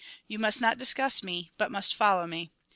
You must not discuss me, but must follow me.